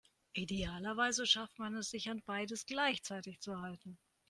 Idealerweise schafft man es, sich an beides gleichzeitig zu halten.